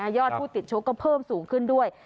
ยอดผู้ติดชกก็เพิ่มสูงขึ้นด้วย